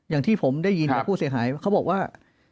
อย่างที่ผมได้ยินจากผู้เสียหายเขาบอกว่า